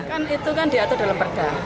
pertama dianggap sebagai perda